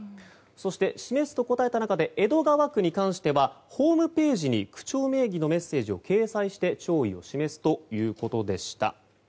そして示すと答えた中で江戸川区に関してはホームページに区長名義のメッセージを掲載して弔意を示すということでした。